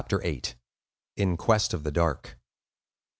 VIII. IN QUEST OF THE DARK.